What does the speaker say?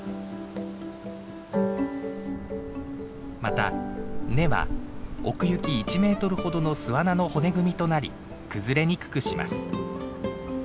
また根は奥行き１メートルほどの巣穴の骨組みとなり崩れにくくします。